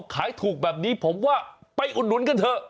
ขายถูกแบบนี้ผมว่าไปอุดหนุนกันเถอะ